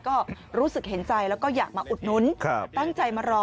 ก็รู้สึกเห็นใจแล้วก็อยากมาอุดนุนตั้งใจมารอ